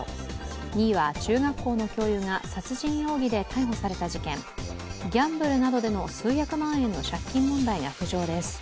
２位は中学校の教諭が殺人容疑で逮捕された事件、ギャンブルなどでの数百万円の借金問題が浮上です。